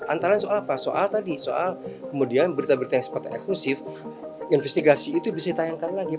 antara soal apa soal tadi soal kemudian berita berita yang seperti eksklusif investigasi itu bisa ditayangkan lagi